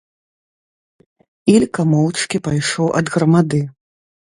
Ілька моўчкі пайшоў ад грамады.